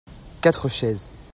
quatre chaises.